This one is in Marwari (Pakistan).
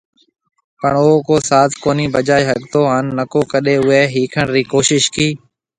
پڻ او ڪو ساز ڪونهي بجائي ۿگھتو هان نڪو ڪڏي اوئي ۿيکڻ ري ڪوشش ڪي